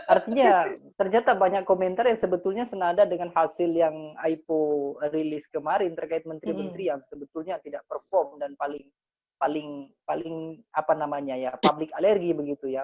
artinya ternyata banyak komentar yang sebetulnya senada dengan hasil yang aipo rilis kemarin terkait menteri menteri yang sebetulnya tidak perform dan paling apa namanya ya public alergi begitu ya